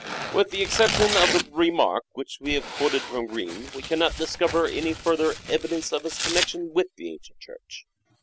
With the exception of the remark which we have quoted from Green we cannot discover any further evidence of his connection with the ancient Church.